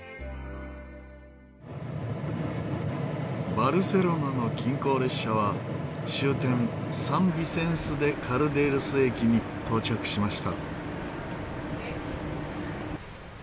バルセロナの近郊列車は終点サン・ビセンス・デ・カルデールス駅に到着しました。